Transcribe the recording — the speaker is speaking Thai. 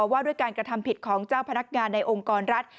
ว่าด้วยการกระทำผิดของเจ้าพนักงานในองค์กรรัฐ